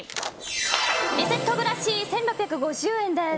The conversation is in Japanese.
リセットブラシ、１６５０円です。